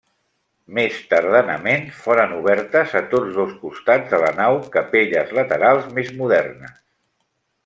Més tardanament, foren obertes a tots dos costats de la nau capelles laterals més modernes.